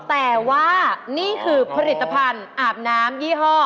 แต่ว่านี่คือผลิตภัณฑ์อาบน้ำยี่ห้อ